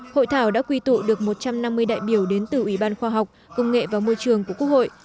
hội thảo đã quy tụ được một trăm năm mươi đại biểu đến từ ủy ban khoa học công nghệ và môi trường của quốc hội